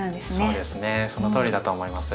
そうですねそのとおりだと思います。